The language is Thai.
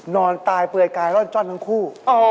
นอนตายเปลือยกายร่อนจ้อนทั้งคู่